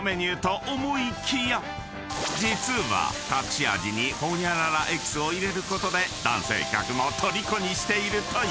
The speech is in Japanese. ［実は隠し味にホニャララエキスを入れることで男性客もとりこにしているという］